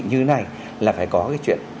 như này là phải có cái chuyện